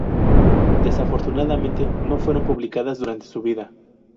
Desafortunadamente no fueron publicadas durante su vida.